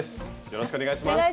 よろしくお願いします。